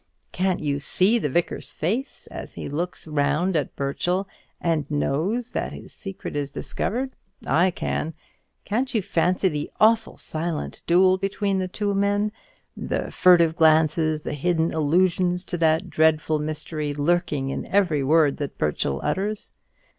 Can't you see the Vicar's face, as he looks round at Burchell, and knows that his secret is discovered? I can. Can't you fancy the awful silent duel between the two men, the furtive glances, the hidden allusions to that dreadful mystery, lurking in every word that Burchell utters?